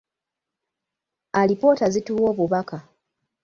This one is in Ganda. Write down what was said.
Alipoota zituwa obubaka.